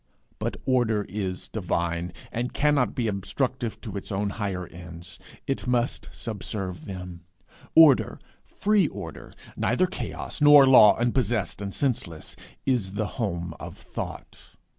But order is divine, and cannot be obstructive to its own higher ends; it must subserve them. Order, free order, neither chaos, nor law unpossessed and senseless, is the home of Thought.